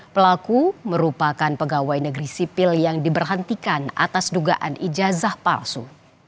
pelaku merupakan pegawai negeri sipil yang diberhentikan atas dugaan ijazah palsu